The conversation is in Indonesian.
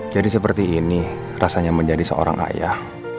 jadi seperti ini rasanya menjadi seorang ayah